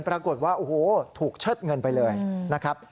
ปรากฏว่าโอ้โหถูกเชิดเงินไปเลยนะครับ